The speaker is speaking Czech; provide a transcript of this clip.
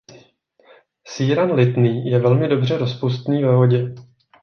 Síran lithný je velmi dobře rozpustný ve vodě.